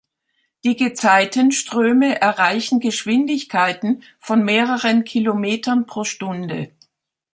Die Gezeitenströme erreichen Geschwindigkeiten von mehreren Kilometern pro Stunde.